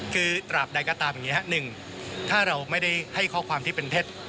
คือตราบใดก็ตามอย่างนี้ครับหนึ่งถ้าเราไม่ได้ให้ข้อความที่เป็นเท็จ